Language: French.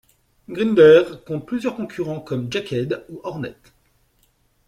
Grindr compte plusieurs concurrents, comme Jack'd ou Hornet.